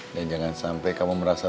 dan jangan sampai kamu merasa